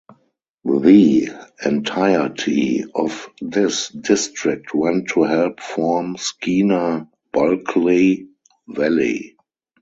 The entirety of this district went to help form Skeena-Bulkley Valley.